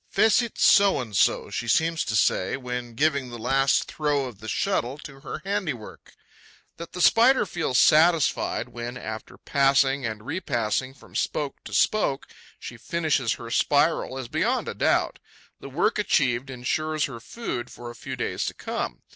'Fecit So and so,' she seems to say, when giving the last throw of the shuttle to her handiwork. That the Spider feels satisfied when, after passing and repassing from spoke to spoke, she finishes her spiral, is beyond a doubt: the work achieved ensures her food for a few days to come.